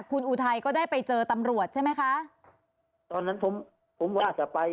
คุณอุทัยก็ได้ไปเจอตำรวจใช่ไหมคะตอนนั้นผมผมก็อาจจะไป